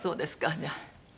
じゃあ。